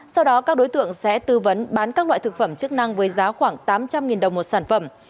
sau đó các đối tượng sẽ tư vấn bán các loại thực phẩm chức năng với giá khoảng tám trăm linh đồng một sản phẩm